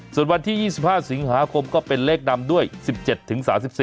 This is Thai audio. ส่วนวันที่๒๕สิงหาคมก็เป็นเลขนำด้วย๑๗ถึง๓๔